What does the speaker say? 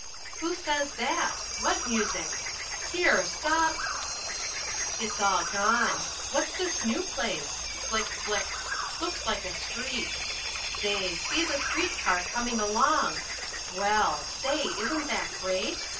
Who says that? What music? Here, stop It's all gone. What's this new place? Flick, flick, looks like a street. Say! see the street car coming along well! say! isn't that great?